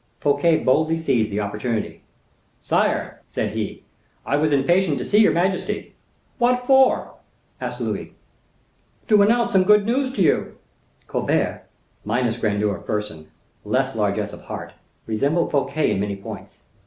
Fouquet boldly seized the opportunity. "Sire," said he, "I was impatient to see your majesty." "What for?" asked Louis. "To announce some good news to you." Colbert, minus grandeur of person, less largeness of heart, resembled Fouquet in many points.